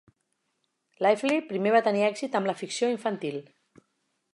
Lively primer va tenir èxit amb la ficció infantil.